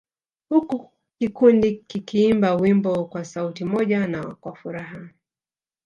Huku kikundi kikiimba wimbo kwa sauti moja na kwa furaha